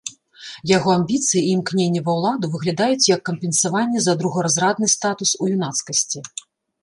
Яго амбіцыі і імкненне ва ўладу выглядаюць як кампенсаванне за другаразрадны статус у юнацкасці.